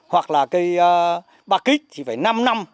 hoặc là cây bạc kích thì phải năm năm